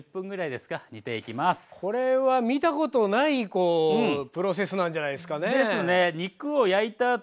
これは見たことないプロセスなんじゃないですかね。